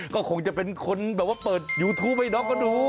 ก็คงจะเป็นคนเปิดยูทูปให้น้องก็ดู